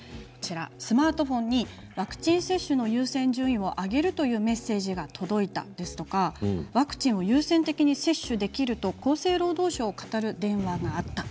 スマートフォンにワクチン接種で優先順位を上げるというメッセージが届いたとかワクチンを優先的に接種できると厚生労働省をかたる電話があった。